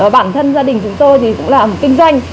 bản thân gia đình chúng tôi thì cũng làm kinh doanh